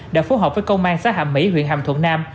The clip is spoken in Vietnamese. đã phối hợp với công an xã hàm mỹ huyện hàm thuận nam